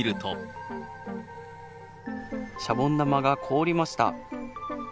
シャボン玉が凍りました。